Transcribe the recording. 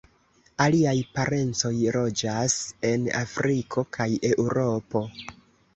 Aliaj parencoj loĝas en Afriko kaj Eŭropo.